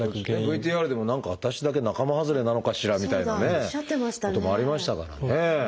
ＶＴＲでも「何か私だけ仲間外れなのかしら」みたいなこともありましたからね。